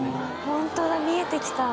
ホントだ見えてきた。